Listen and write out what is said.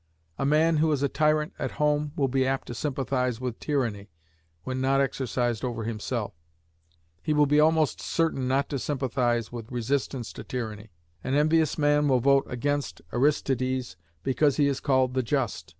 A man who is a tyrant at home will be apt to sympathize with tyranny (when not exercised over himself); he will be almost certain not to sympathize with resistance to tyranny. An envious man will vote against Aristides because he is called the Just.